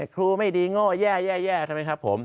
ครูไม่ดีโง่แย่ใช่ไหมครับผม